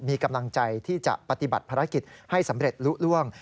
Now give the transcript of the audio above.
มีกำลังใจที่จะปฏิบัติภารกิจให้สำเร็จลุล่วง